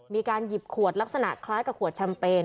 มีการหยิบขวดลักษณะคล้ายกับขวดแชมเปญ